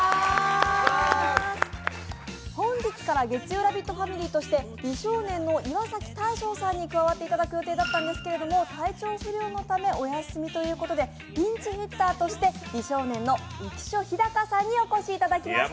本日から月曜ラヴィットファミリーとして、美少年の岩崎大昇さんに加わっていただく予定だったんですけれども、体調不良のためお休みということでピンチヒッターとして美少年の浮所飛貴さんにお越しいただきました。